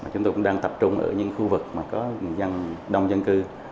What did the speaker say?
chúng tôi cũng đang tập trung ở những khu vực mà có đông dân cư